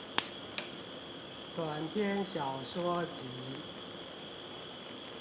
短篇小說集